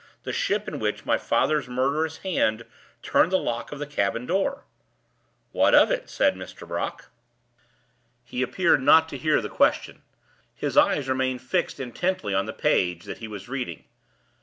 "The ship in which my father's murderous hand turned the lock of the cabin door." "What of it?" said Mr. Brock. He appeared not to hear the question; his eyes remained fixed intently on the page that he was reading.